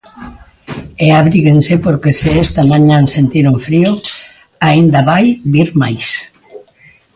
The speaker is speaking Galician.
E abríguense porque se esta mañá sentiron frío, aínda vai vir máis.